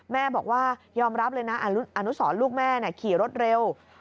แม่บอกว่ายอมรับเลยนะอนุสรลูกแม่ขี่รถเร็ว